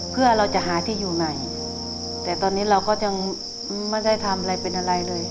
เพื่อเราจะหาที่อยู่ใหม่แต่ตอนนี้เราก็ยังไม่ได้ทำอะไรเป็นอะไรเลย